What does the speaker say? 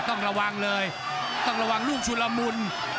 ต้องระวังเลยต้องระวังลูกชุนละมุน